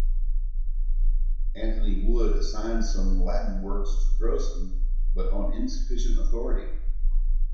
Anthony Wood assigns some Latin works to Grocyn, but on insufficient authority.